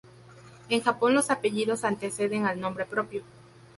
En Japón los apellidos anteceden al nombre propio.